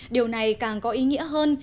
điều này càng có ý nghĩa hơn